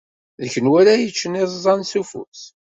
D kenwi ara yeččen iẓẓan s ufus.